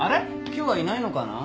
今日はいないのかな。